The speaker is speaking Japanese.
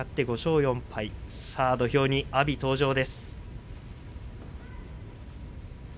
土俵に阿炎が登場です。